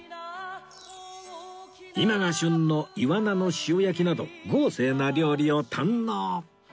今が旬の岩魚の塩焼きなど豪勢な料理を堪能